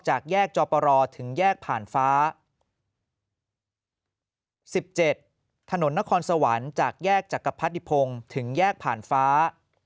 จากแยกจอปรถึงแยกผ่านฟ้า๑๗ถนนนครสวรรค์จากแยกจักรพรรดิพงศ์ถึงแยกผ่านฟ้า